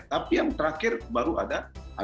tapi yang terakhir baru ada